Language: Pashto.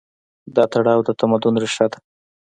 دا تړاو د تمدن ریښه ده.